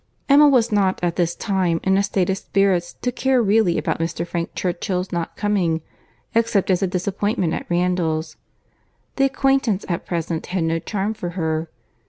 Emma was not at this time in a state of spirits to care really about Mr. Frank Churchill's not coming, except as a disappointment at Randalls. The acquaintance at present had no charm for her.